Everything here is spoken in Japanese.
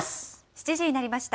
７時になりました。